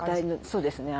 そうですね。